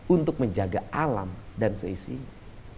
untuk menjaga alam dan seisinya